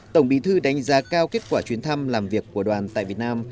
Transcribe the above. tổng bí thư đánh giá cao kết quả chuyến thăm làm việc của đoàn tại việt nam